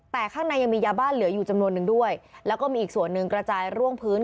แต่ข้างในยังมียาบ้านเหลืออยู่จำนวนนึงด้วยแล้วก็มีอีกส่วนหนึ่งกระจายร่วงพื้น